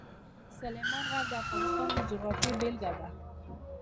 سلیمان غر د افغانستان د جغرافیې بېلګه ده.